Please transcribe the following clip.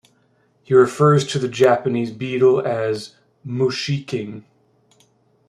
He refers to the Japanese beetle as "Mushiking".